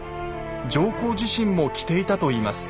上皇自身も着ていたといいます。